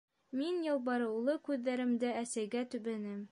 Мин ялбарыулы күҙҙәремде әсәйгә төбәнем.